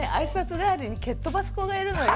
代わりに蹴っ飛ばす子がいるのよ。